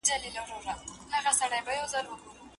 - عبدالحفیظ آهنگرپور، شاعر.